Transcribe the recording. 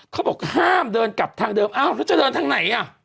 เขาบอกห้ามเดินกลับทางเดิมอ้าวแล้วจะเดินทางไหนอ่ะ